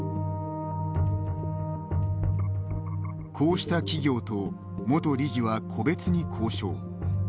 こうした企業と元理事は個別に交渉。